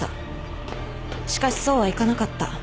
しかしそうはいかなかった。